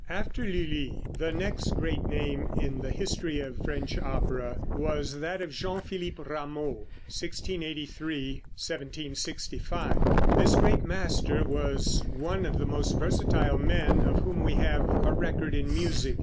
After Lulli, the next great name in the history of French opera was that of Jean Philippe Rameau (1683 1765). This great master was one of the most versatile men of whom we have a record in music.